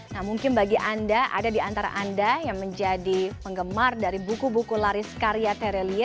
nah mungkin bagi anda ada di antara anda yang menjadi penggemar dari buku buku laris karya terelie